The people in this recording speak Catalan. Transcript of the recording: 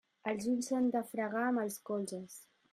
Els ulls s'han de fregar amb els colzes.